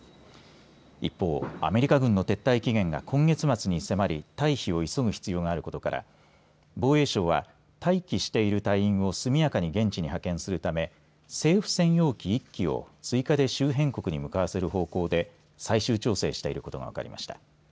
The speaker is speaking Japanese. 一方、アメリカ軍の撤退期限が今月末に迫り退避を急ぐ必要があることから防衛省は待機している隊員を速やかに現地に派遣するため政府専用機１機を追加で周辺国に向かわせる方向で最終調整していることが分かりました。